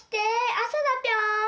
あさだぴょん！